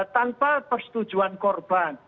tanpa persetujuan korban